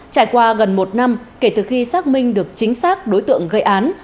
trải qua gần một năm kể từ khi xác minh được chính xác đối tượng gây án